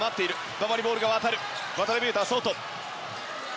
馬場にボールが渡る渡邊雄太は外。